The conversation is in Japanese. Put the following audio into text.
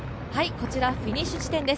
こちらフィニッシュ地点です。